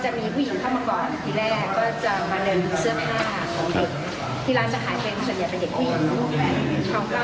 ช่วยเลือกเสื้อผ้าให้หน่อยเพราะว่าเขาจะไปฝากลูก